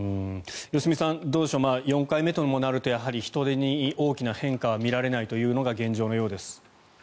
良純さん、どうでしょう４回目ともなるとやはり人出に大きな変化は見られないというのが現状のようです。